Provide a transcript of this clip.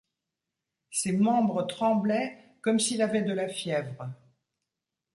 Ses membres tremblaient comme s'il avait de la fièvre.